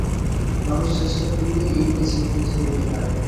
মানুষ চেষ্টা করিলেই এই প্রাচীর ভেদ করিতে পারে।